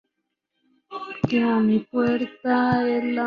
Esto significa que no verás a un Soldado de Asalto con un sable láser.